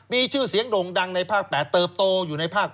มีชื่อเสียงโด่งดังในภาค๘เติบโตอยู่ในภาค๘